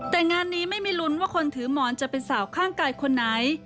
แต่งานนี้ไม่มีลุ้นว่าคนถือหมอนจะเป็นสาวข้างกายคนไหน